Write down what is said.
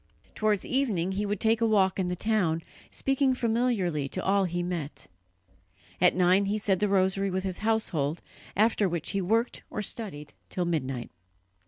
Towards evening he would take a walk in the town, speaking familiarly to all he met. At nine he said the rosary with his household, after which he worked or studied till midnight.